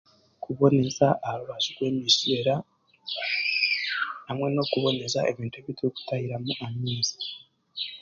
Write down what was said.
Kuboneza aha rubaju rw'emigyera, hamwe n'okuboneza ebintu ebi turikutahiramu amaizi